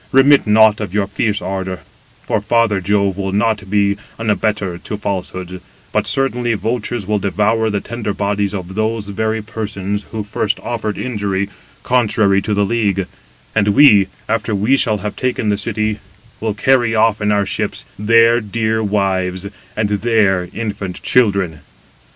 remit nought of your fierce ardour, for father Jove will not be an abettor to falsehoods, but certainly vultures will devour the tender bodies of those very persons, who first offered injury, contrary to the league; and we, after we shall have taken the city, will carry off in our ships their dear wives, and their infant children."